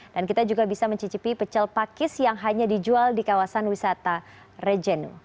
dan kita juga bisa mencicipi pecel pakis yang hanya dijual di kawasan wisata rejenu